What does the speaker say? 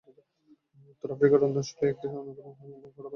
উত্তর আফ্রিকার রন্ধন শৈলীর একটি অন্যতম অংশ কড়া ভাজা খাবার।